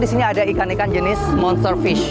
di sini ada ikan ikan jenis monster fish